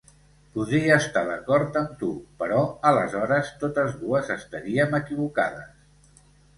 Podria estar d'acord amb tu, però aleshores totes dues estaríem equivocades.